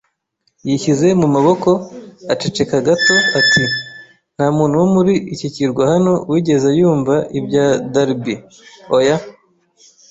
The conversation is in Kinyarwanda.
yishyize mu maboko. Aceceka gato ati: “Nta muntu wo muri iki kirwa hano wigeze yumva ibya Darby.” “Oya